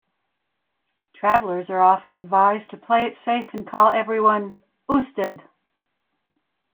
Travellers are often advised to play it safe and call everyone "usted".